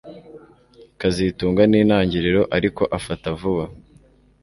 kazitunga ni intangiriro ariko afata vuba